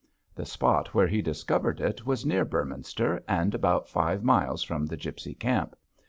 The spot where he discovered it, was near Beorminster, and about five miles from the gipsy camp.